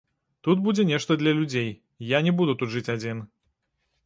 Тут будзе нешта для людзей, я не буду тут жыць адзін.